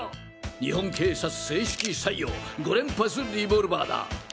日本警察正式採用５連発リボルバーだ。